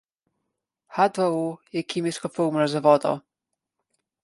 H dva O je kemijska formula za vodo.